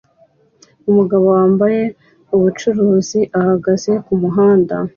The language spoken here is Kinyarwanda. Umugabo wambaye ubucuruzi ahagaze kumuhanda